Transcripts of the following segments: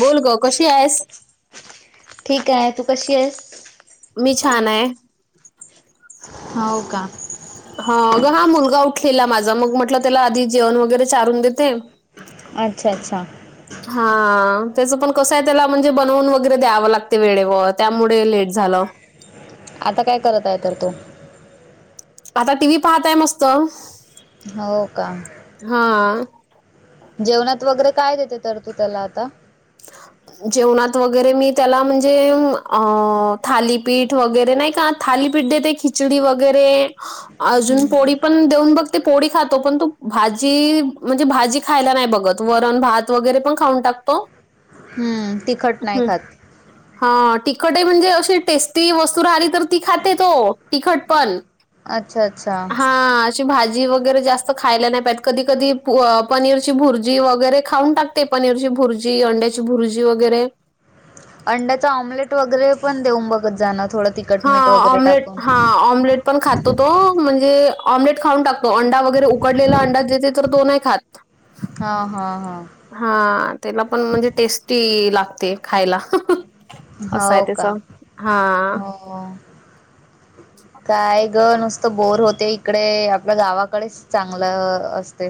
बोल गं कशी आहेस? ठीक आहे. तू कशीयेस? मी छान आहे. हाव का? हां. अगं हा मुलगा उठलेला माझा. मग म्हटलं त्याला आधी जेवण वगैरे चारून देते- अच्छा अच्छा. हा. त्याच पण कसं आहे? त्याला म्हणजे बनवून वगैरे द्यावं लागते वेळेवर, त्यामुळे लेट झालं. आता काय करत आहे तर तो? आता टी व्ही पाहत आहे मस्त. हो का? हा. जेवणात वगैरे काय देते तर तू त्याला आता? जेवणात वगैरे मी त्याला म्हणजे? अ थालीपीठ वगैरे नाही का? थालीपीठ देते. खिचडी वगैरे अजून पोळी- [unintelligible] नुसती पोडी खातो. पण तो भाजी- म्हणजे भाजी खायला नाही बघत. वरण भात- वगैरे पण खाऊन टाकतो. ह तिखट नाही खात. हा. तिखट म्हणजे अशी टेस्टी वस्तू राह्यली तर ती खाते तो तिखट पण. अच्छा अच्छा. हा. भाजी वगैरे जास्त खायला नाही पायत. कधी कधी पनीरची भुरजी वैगेरे खाऊन टाक- ते. पनीरची भुर्जी, अंड्याची भुर्जी वगैरे. अंड्याचा ऑमलेट वगैरे पण देऊन बघत जा ना थोड ती- हा. ऑम्लेट हा ऑम्लेट. पण खातो तो. म्हणजे ऑम्लेट खाऊन टाकतो. अंडा वगैरे उकडलेला अंडा देते तर तो नाही खात. हा हा हा. हा त्याला पण म्हणजे टेस्टी लागते खायला. असय हो त्याच का हा. हा. काय ग नुसतं बोर होते इकडे आपल्या गावाकडेच चांगलं अ असत.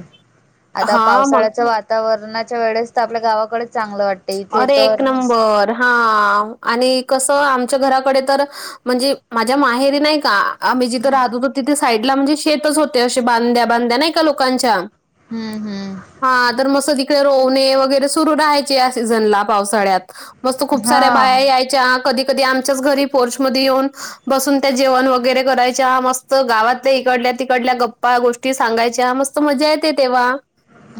आता हां, मग पावसाळ्याच्या वातावरणाच्या वेळेस तर आपल्या गावाकडेच चांगलं वाट अरे एक नंबर. हाआ आणि कसं आमच्या घराकडे तर म्हणजे माझ्या माहेरी नाही का आम्ही जिथं हम्म राहत होतो तिथे साईडला म्हणजे शेतच होते असे बांध्या, बांध्या नाही का लोकांच्या हम हम. हा तर मस्त तिकडे रोणे वगैरे सुरू राहायचे या सीझनला पावसाळ्यात मस्त खूप साऱ्या हा बाया याय त्या कधी कधी आमच्याच घरी पोर्च मध्ये येऊन बसून त्या जेवण वगैरे करायच्या मस्त त्या गावातल्या इकडल्या तिकडल्या गप्पा गोष्टी सांगायच्या मस्त मजा येते तेव्हा.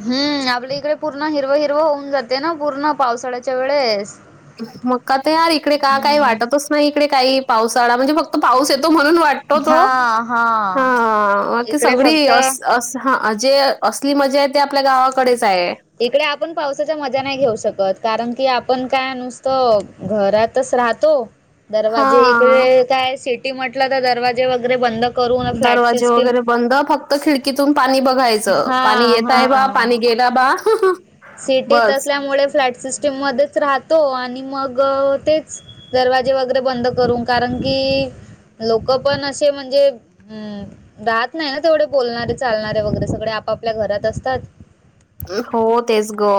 हम आपल्या इकडे पूर्ण हिरव हिरवं होऊन जाते, ना पूर्ण पावसाळ्याच्या वेळेस. मग का तर इकडे का काही हम्म वाटतच नाही इकडे काही पावसाळा म्हणजे फक्त पाऊस येतो म्हणून वाट तोच ओ हा आता इकडे सगळी फक्त अस अस हा अजे असली मजा येते आपल्या गावाकडेच आहे. इकडे आपण पावसाच्या मजा नाही घेऊ शकत कारण कि आपण काय नुसतं घरातच राहतो. दरवाजे इकडे हां. काय सिटी म्हटलं तर दरवाजे वगैरे बंद करून फ्लॅट दरवाजे सिस्टीम वगैरे बंद फक्त खिडकीतून पाणी बघायचं हा पाणी येत आहे बाब हा पाणी गेला बा सिटीत बस. असल्यामुळे फ्लॅट सिस्टीम मध्येच राहतो आणि मग तेच दरवाजे वगैरे बंद करू कारण की, लोक पण असे म्हणजे हम राहत नाही ना तेवढे बोलणारे, चालणारे वगैरे सगळे आपापल्या घरात असतात. हो तेच ग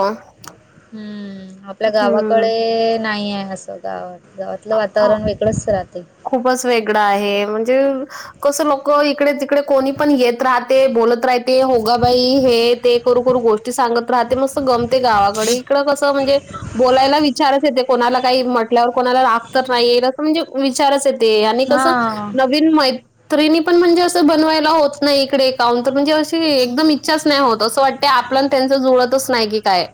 हम आपल्या गावाकडे नाही आहे असं गावात गावातलं अ वातावरण वेग [unintelligible] खूपच वेगड आहे म्हणजे कसं लोक इकडे तिकडे कोणी पण येत राहते. बोलत राहते. होगा बाई हे ते करू करू गोष्ट सांगत राहते म गंमती गावाकडे इ कस म्हणजे बोलायला विचारच येते. कोणाला काही म्हटल्यावर कोणाला रागतर नाही येणा असं म्हणजे विचारच येत. ते आणि कसं हा. नवीन मै त्रीणी पण म्हणजे असं बनवायला होत नाही इकडे काउन तर म्हणजे अशी एकदम इच्छाच नाही होत असं वाट ते आपल आणि त्यांच जुळतच नाही की काय?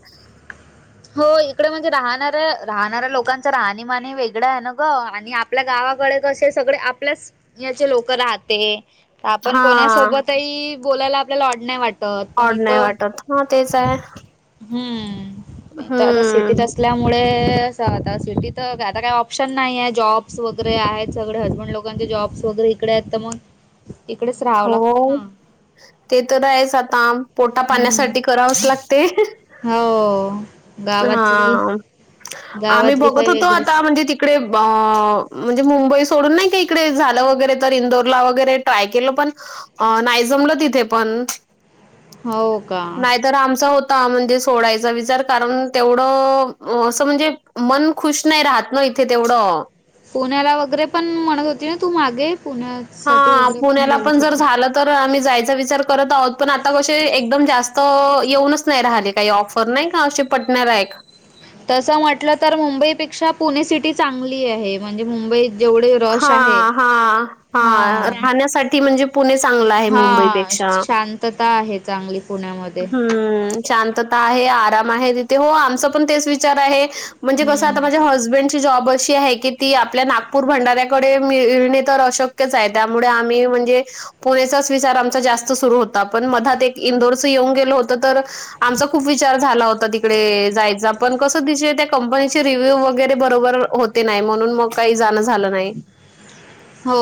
हो इकडे म्हणजे राहणाऱ्या राहणाऱ्या लोकांच राहणीमान ही वेगळ आहे ना ग आणि आपल्या गावाकड कसे? सगळे आपल्याच याचे लोक राहते. त आपण हां. कोणासोबतही बोलायला आपल्याला ऑड नाहीय वाट प-पण ऑड इथ नाही वाटत. हां, तेच आहे. हं इथ आता हं. सिटीत अस त्यामुळे आता सिटीत आता काही ऑप्शन नाहीे जॉब्स वगैरे आहेत सगळे हजबंड लोक ज्यांचे जॉब्स वगैरे इकडे आहेत मग इकडे स होय ते तर आहेच आता हम्म पोटापाण्यासाठी करावंच लागते. हो गावातली हा आम्ही गावातली बघत काही होतो वेगळीच आता, म्हणजे त इकडे ब म्हणजे मुंबई सोडून नाही का इकडे झालं वगैरे, तर इंदोरला वगैरे ट्राय केलं पण अ नाही जमलं तिथे पण. हो का? तर आमचा होता, म्हणजे सोडायचा विचार कारण तेवढं अ असं म्हणजे मन खुश नाही राहत ना इथे तेवढं. पुण्याला वगैरे पण म्हणत होती ना तू मागे, पुण्यासाठी हा वगैरे पण पुण्याला बोलत जर होती. झालं तर आम्ही जायचा विचार करत आहोत, पण आता कसे एकदम जास्त येऊनच नही राहिले काही ऑफ पण नाही का अशे पटन्या लायक. तसं म्हटलं तर मुंबईपेक्षा पुणे सिटी चांगली आहे, म्हणजे मुंबईत जेवढे रश आहे हां हां हा हं, राहण्यासाठी म्हणजे पुणे चांगल आहे मुंबईपेक्षा. [unintelligible] ते त आहे चांगली पुण्यामध्ये. हं. शांतता आहे, आराम आहे, तीथे हो आमच पण तेच विचार आहे, म्हणजे कस हम्म. आता माझ्या हजबंडचे जॉब अशी आहे की, ती आपल्या नागपूर भंडऱ्या कडे मिळणे तर अशक्यच आहे, त्यामुळे आम्ही म्हणजे पुणेचाच विचार आमचा जास्त सुरू होता, पण मधात एक इंदोरच येऊन गेलो होत तर आमचा खूप विचार झाला होता तिकडे जायचा, पण कसं तीचे त्या कंपनीचे रिव्ह्यू वगैरे बरोबर होते नाही, म्हणून मग काही जाणं झालं नाही. हो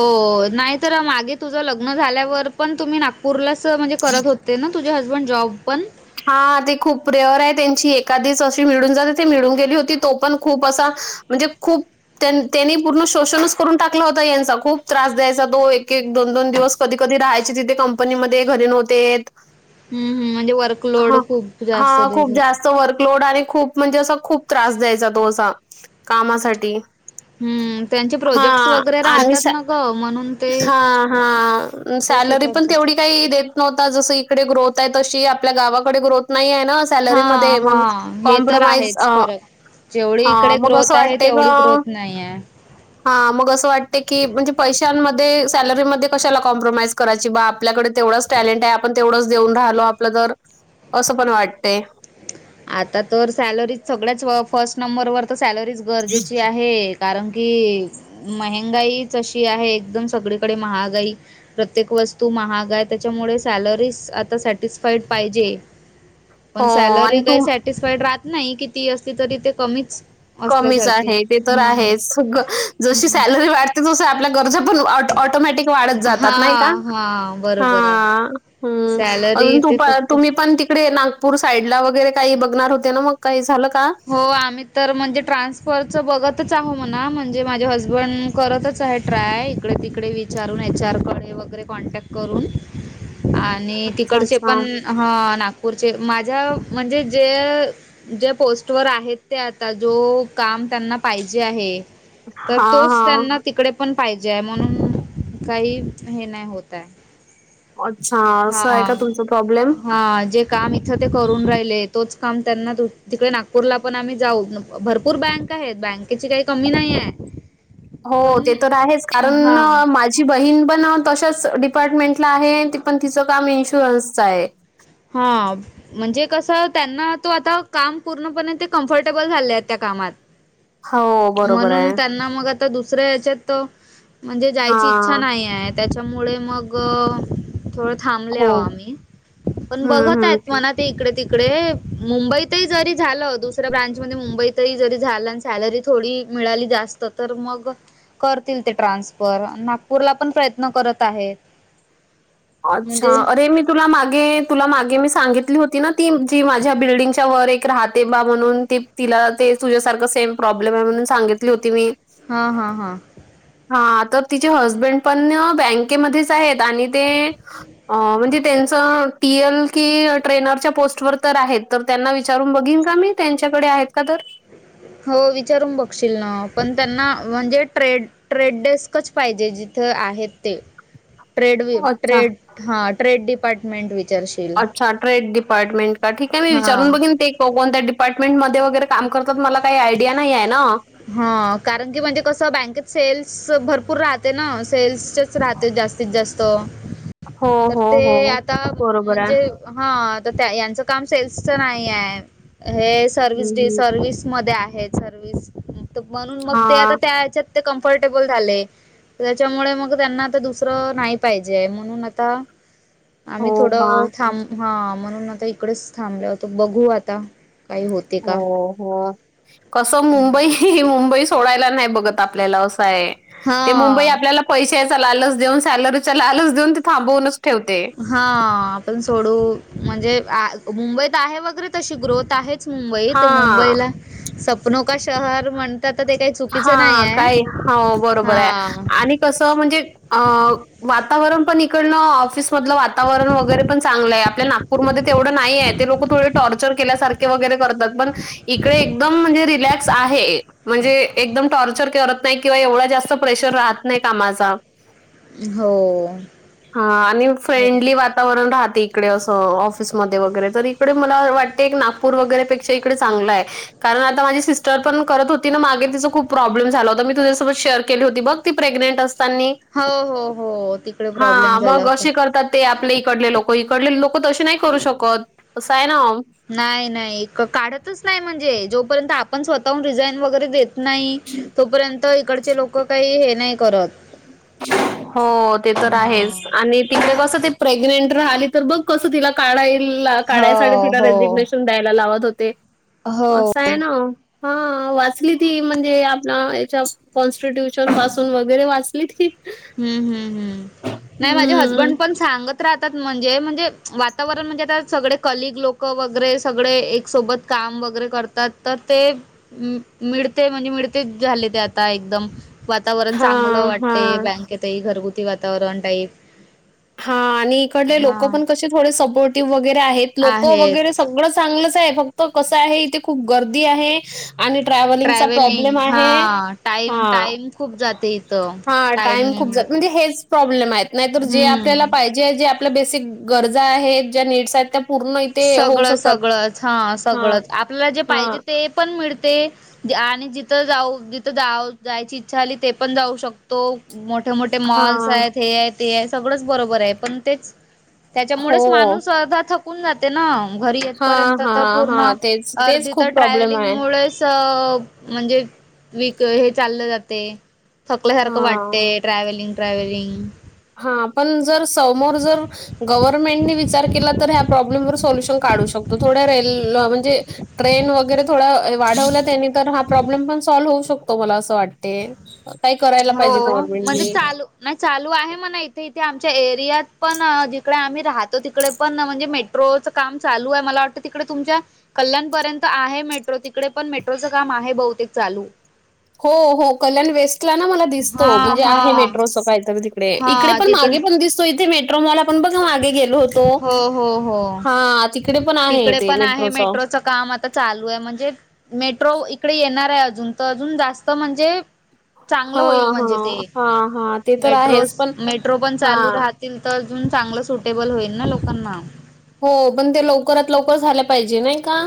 अ नाही तर मागे तुझं लग्न झाल्यावर पण, तुम्ही नागपूरला चं म्हणजे करत होते ना, तुझे हजबंड जॉब पण? हां ते खूप रेअर ये त्यांची एखादीच अशी मिळून जाते, ती मिळून गेली होती, तो पण खूप असा म्हणजे खूप तेन त्यानी पूर्ण शोषणच करून टाकला होता, यांचा खूप त्रास द्यायचा तो एक-एक, दोन-दोन दिवस कधी-कधी राहायचे तिथे कंपनीमध्ये, घरी नव्हते येत. हम्म हम्म म्हणजे वर हां हा खूप जास्त वर्कलोड आणि खूप म्हणजे असा खूप त्रास द्यायचा तो असा, कामासाठी हम्म त्यांचे प्रोजेक्ट्स हां वगैरे आणि मी राहतात सा ना ग म्हणून ते हां हां तसे सॅलरी पण करतात. तेवडी काई देत नव्हता, जस इकडे ग्रोथ आहे तशी आपल्या गावाकडे ग्रोथ नाही ये ना अस सॅलरी हा मध्ये हा मग हे तर कॉम्प्रोमाइज आहेच अं फरक जेवढी इकडे ग्रोथ आहे, तेवढी ग्रोथ नाही ये. हा मग असं वाटते की, म्हणजे पैशांमध्ये सॅलरीमध्ये कशाला कॉम्प्रोमाइज करायची बा आपल्याकडे तेवढाच टॅलेंट आहे, आपण तेवढंच देऊन राहिलो, आपलं तर असं पण वाटतेय. आता तर सॅलरी सगळ्याच फर्स्ट नंबर वर तर सॅलरीच गरजेची हाय. हे कारण की महंगाईच अशी आहे, एकदम सगळीकडे महागाई प्रत्येक वस्तू महाग आहे, त्याच्यामुळे सॅलरीज आता सॅटिस्फाईड पाहिजे. पण हो आणि सॅलरी तू काही सॅटिस्फाईड राहत नाही, किती असली तरी ते कमीच. कमीच असल्यासारखे आहे, ते तर हम्म आहेच, जशी हम्म सॅलरी वाढ जस जश्या आपल्या गरजा पण, ऑटो-ऑटोमॅटिक वाढत हा जातात नाही का? हा बरोबर आहे. हां. हम्म सॅलरी म्हणून ते फक्त तूप-तुम्ही पण तिकडे नाग पूर साईड ला वगैरे काही बघणार होते ना मग, काही झालं का? हो आम्ही तर म्हणजे ट्रान्सफरच बघतच आहो म्हणा, म्हणजे माझे हजबंड करतच आहे. ट्राय इकडे तिकडे विचारून एच आर कडे वगैरे कॉन्टॅक्ट करून आणि ने अच्छा, तिकडचे अच्छा. पण हा, नागपूरचे माझ म्हणजे जे जे पोस्ट तोवर आहेत. ते आता जो काम त्यांना पाहिजे आहे. तर हां, तोच हां. त्यांना तिकडे पण पाहिजे आहे, म्हणून काही हे नाही होत आहे. अच्छा हा असं आहे का तुमचा प्रॉब्लेम? हा, जे काम इथं ते करून राहिले, तोच काम त्यांना दु तिकडे नागपूरला पण आम्ही जाऊ भरपूर बँक इथ आहेत. बँकेची काही कमी नाही ये. हो ते तर आहेच कारण हां, माझ तिची बहीण पण तशाच डिपार्टमेंटला आहे, पण तिचं काम इन्शुरन्सच आहे. हा म्हणजे कस त्यांना तो आता काम पूर्णपणे ते कम्फर्टेबल झाले त्या कामात हो, बरोबर आहे. म्हणून त्यांना मग आता दुसऱ्या याच्यात म्हणजे जायची इच्छा हां. नाही आहे. त्याच्यामुळे मग थोडं हो. थांबल्याव आम्ही पण हं, बघत हं. आहेत मना ते इकडे तिकडे मुंबईत ही जरी झालं. दुसऱ्या ब्रांच मध्ये मुंबईत ही जरी झालं. सॅलरी थोडी मिळाली, जास्त तर मग करतील. ते ट्रान्सफर नागपूरला पण प्रयत्न करत आहेत. अच्छा, म्हणजे अरे मी तुला मागे, तुला मागे, मी सांगितली होती. ना ती जी माझ्या बिल्डिंगच्या वर एक राहते बा म्हणून ती तिला ते तुझ्यासारखं सेम प्रॉब्लेम आहे म्हणून सांगितली होती मी हा हा हा, हा, तर तिचे हजबंड पण बँकेमध्येच आहेत. आणि ते [inaudible] अ म्हणजे त्यांचं टी एल की ट्रेनरच्या पोस्ट वर तर आहेत तर त्यांना विचारून बघीन का मी. त्यांच्याकडे आहेत का तर हो विचारून बघशील ना, पण त्यांना म्हणजे ट्रेड- ट्रेड डेस्कच पाहिजे जिथे आहेत ते- ट्रेड वि, अच्छा, ट्रेड हां ट्रेड डीपार्टमेंट वि अच्छा ट्रेड डिपार्टमेंट का ठीक आहे मी विचारून हा बघेन ते. कोण-कोणत्या डिपार्टमेंट मध्ये वगैरे काम करतात मला काही आयडिया नाहीये ना. हा, कारण की म्हणजे कस बँकेत सेल्स भरपूर राहते ना सेल्स्ट मीच राहते, जास्तीत जास्त हो, तर हो, ते हो. आता बरोबर आहे. म्हणजे हा, तर त्या याचं काम सेल्सच नाहीये. हे, सर्विस हं, डे हं. सर्विस मध्ये आहे, सर्विस तू म्हणून मग ते आता हां. त्या ह्याच्यात ते कम्फर्टेबल झाले. त्याच्यामुळे मग त्यांना आता दुसरं नाही पाहिजे आहे. म्हणून आता आम्ही हो का? थोडं थांब हा म्हणून आता इकडेच थांबलो होतो. बघू आता काही होत. हो हो, कस [inaudible] ही ही, मुंबई सोडायला नाही बघत आपल्याला असं आहे ती मुंबई हां. आपल्याला पैशाचा लालच देऊन सॅलरी चा लालच देऊन ते थांबवूच. हा, आपण सोडवू म्हणजे आ मुंबईत आहे वगैरे तशी ग्रोथ आहे. मुंबई ते हां. मुंबईला, सपनो का शहर म्हणतात ते चुकीचं नाही हा. आहे. काय हो बरोबर आहे. हां. आणि- कसं म्हणजे? अ वातावरण पण इकडंल ऑफिस - मधलं वातावरण वगैरे पण चांगलं आहे. आपल्या नागपूरमध्ये तेवढं नाहीए. ते लोक थोडे टॉर - - चर केल्यासारखे वगैरे करतात. पण इकडे एकदम म्हणजे रिलॅक्स आहे. म्हणजे- एकदम टॉर्चर करत नाही किंवा एवढा जास्त प्रेशर राहत नाही कामाचा. हो. हा. आणि बरोबर. फ्रेंडली वात - -तावरण राहते इकडे असं ऑफिस मध्ये वगैरे तर, इकडे मला वाटतेए नागपूर वगैरे पेक्ष- क्षा ईकडे चांगलय. कारण आता माझी सिस्टर पण करत होती ना? मागे तिचं- खुप प्रॉब्लेम झाला होता. मी तुझ्यासोबत शेअर केली होती बघ ती प्रेग्नेंट असतानी- हो हो हो. तिकडे प्रॉब्लेम हा झाला मग होता. असे करतात ते आपले इकडले लोक. इकडले लोक तशी नाही करू शकत असं आहे ना? नाही नाही. काढतच नाही म्हणजे. जोपर्यंत आपण स्वतःहून रिझाईन वगैरे देत- नाही. तोपर्यंत इकडचे लोक काही हे नाही करत. हो ते तर हां. आहेच. आणि तिकडे कस ते प्रेग्नेंट राहिली तर बघ- कसं तिला काढाय काढायसाठी हो, तिला हो. रेजिग्नेशन द्यायला लावत होते. हो. असाय ना. हा. वाचली ती म्हणजे आप याच्या कॉन्स्टिट्युशन पासून वगैरे वाच- [unintelligible] हम्म हम्म हम्. नाही माझे हम्म हजबंड पण सांगत- राहतात म्हणजे. म्हणजे वातावरण म्हणजे आता सगळे कलीग लोक वगैरे सगळे एक सोबत- काम वगैरे करतात तर ते- मिळते. म्हणजे मिळतेच झाले ते आता एकदम. वातावरण हा चांगलं हा वाटतेय. बँकेतही घरगुती वातावरण टाईप. हा. आणि इकडले लोक हां पण कसे थोडे सपोर्टिव्ह वगैरे आहेत. लोक आहेत. वगैरे- सगळं चांगलच आहे. फक्त कसं आहे इथे खूप गर्दी आहे. आणि ट्रॅव्हलिंगचा ट्रॅव्हलिंग प्रॉब्लेम आहे. हां टाईम हा. टाईम खूप जाते इथं. हा. टाईम टाइम नाही खूप जात मिळत. म्हणजे हेच प्रॉब्लेम आहेत. नाहीतर जे आपल्याला हं. पाहिजे- पाहिजे जे आपल्या बेसिक गरजा आहेत. ज्या निड्स आहेत. पूर्ण इथे होऊ सगळं शकतात सगळंच. हा हा सगळंच. आपल्याला जे पाहिजे हा ते- पण मिळते आणि जिथं जाऊ जिथ जा जायची इच्छा झाली ते पण जाऊ शकतो. तो. मोठे मोठे मॉल्स हा आहेत हे आहे ते आहे. सगळंच बरोबर आहे पण तेच- त्याच्यामुळेच हो माणूस अर्धा थकून जातो. हां. घरी हा येतपर्यंत हा तर हा पूर्ण. तेच तेच अर्धी तर खूप प्रॉब्लेम आहे. ट्रॅवलिंगमुळे- च म्हणजे विक हे चाललं जाते. थकल्या सारखं हां. वाटते ट्रॅव्हलिंग ट्रॅव्हलिंग. हा. पण जर समोर जर- गव्हर्नमेंटने विचार केला तर ह्या प्रॉब्लेम वर सोल्युशन काढू शकतो. थोड्या [unintelligible] म्हणजे- ट्रेन वगैरे थोड्या वाढवल्या त्यांनी तर हा प्रॉब्लेम पण सॉल्व्ह होऊ शकतो. मला असं वाटते. काय करायला पाहिजे हो म्हणजे गव्हर्नमेंटनी. चालू नाही चालू आहे म्हणा इथे. इथे आमच्या एरियात पण जिकडे आम्ही राहतो तिकडे- पण ना म्हणजे मेट्रोचं काम चालू आहे. मला वाटतं तिकडे तुमच्या- कल्याणपर्यंत आहे मेट्रो. तिकडे पण मेट्रोचं काम आहे बहुतेक चालू. हो हो. कल्याण वेस्टला ना मला दिसतो. हा म्हणजे हा आहे मेट्रोचं काहीतरी. इकडे हा पण तिकडे मागे पण दिसतो. इथे मेट्रोमॉल आपण बघ मागे गेलो होतो? हो हो हो हा. तिकडे पण आहे ते मेट्रोच. च काम आता चालू म्हणजे, मेट्रो इकडे येणार आहे अजून तर अजून जास्त म्हणजे चांगलं होईल हां, म्हणजे हां. ते, हां, हां. ते तर आहेच. मेट्रोस पण मेट्रो पण चालू हां. राह तिला तर अजून चांगलं सुटेबल होईल ना लोकांना. हो पण ते लवकरात लवकर झाल्या पाहिजे नाही का?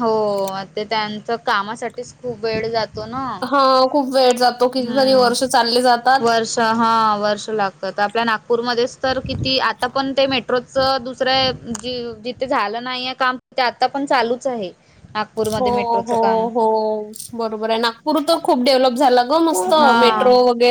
हो ते त्यांच कामासाठीच खूप वेळ जातो ना. हा खूप वेळ जातो कितीतरी वर्ष चालले जातात. त हा वर्ष लागतात आपल्या नागपूरमध्येच तर किती आता पण ते मे ट्रोच दुसर हाय जी - जिथे झालं नाहीय काम ते आता पण चालूच आहे. हो नागपूरमध्ये मेट्रोचं हो काम हो. बरोबर आहे नागपूर तर खूप डेव्हलप झाला ग मस्त हा मेट्रो वगै